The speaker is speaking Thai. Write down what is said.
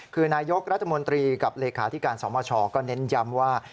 คือนายกรัฐมนตรีกับเลขาธิการสมชก็เน้นย้ำว่า